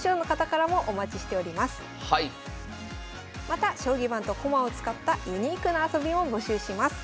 また将棋盤と駒を使ったユニークな遊びも募集します。